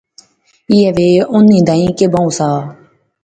ایہہ وی انیں دائیں کیا بہوں سا